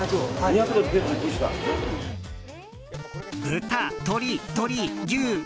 豚、鶏、鶏、牛、牛。